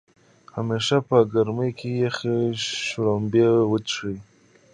همیشه په ګرمۍ کې يخې شړومبۍ وڅښئ